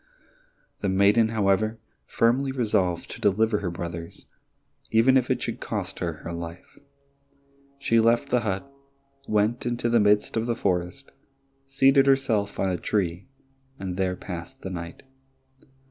The maiden, however, firmly resolved to deliver her brothers, even if it should cost her her life. She left the hut, went into the midst of the forest, seated herself on a tree, and there passed the night.